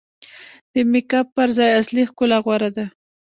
د میک اپ پر ځای اصلي ښکلا غوره ده.